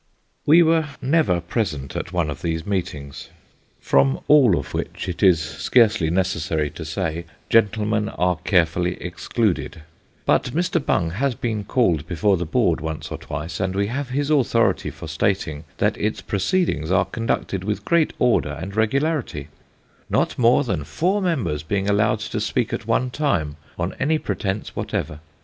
We were never present at one of these meetings, from all of which it is scarcely necessary to say, gentlemen are carefully excluded ; but Mr. Bung has been called before the board once or twice, and we have his authority for stating, that its proceedings are conducted with great order and regularity : not more than four members being allowed to speak at one time on any pretence whatever.